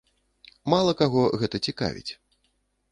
Мала каго гэта цікавіць.